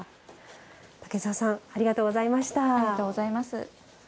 竹澤さんありがとうございました。